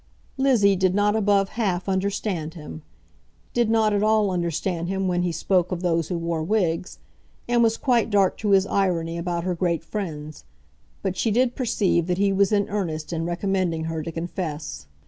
Lizzie did not above half understand him, did not at all understand him when he spoke of those who wore wigs, and was quite dark to his irony about her great friends; but she did perceive that he was in earnest in recommending her to confess.